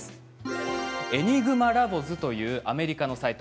エニグマラボズというアメリカのサイト